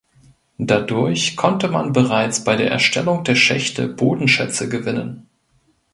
Dadurch konnte man bereits bei der Erstellung der Schächte Bodenschätze gewinnen.